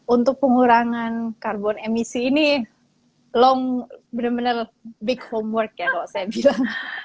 untuk pengurangan karbon emisi ini long bener bener big homework ya kalau saya bilang